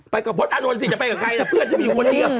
ไปกับโพสต์อันนทร์สิจะไปกับใครอ่ะเพื่อนจะมีคนเดียว